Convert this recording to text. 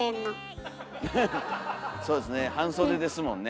そうですね半袖ですもんね。